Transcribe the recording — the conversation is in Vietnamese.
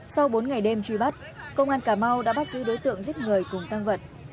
sau bốn ngày đêm truy bắt công an cà mau đã bắt giữ đối tượng giết người cùng tăng vật